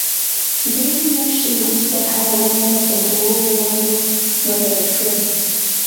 درې میاشتې وروسته هره ونډه پر دوو ونډو بدله شوه.